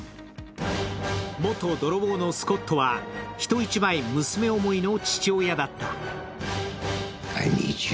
元泥棒のスコットは人一倍娘思いの父親だった。